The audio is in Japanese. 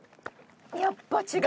やっぱ違う。